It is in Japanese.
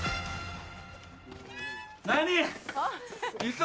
・何？